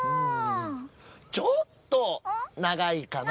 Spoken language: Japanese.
ちょっと長いかな？